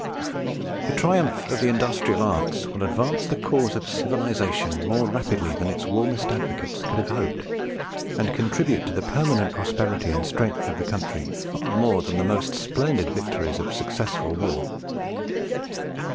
"The triumph of the industrial arts will advance the cause of civilization more rapidly than its warmest advocates could have hoped, and contribute to the permanent prosperity and strength of the country far move than the most splendid victories of successful war."